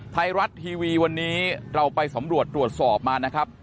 ไทยรัฐทีวีวันนี้เราไปสำรวจตรวจสอบมานะครับ